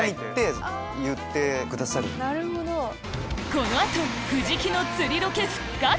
この後藤木の釣りロケ復活！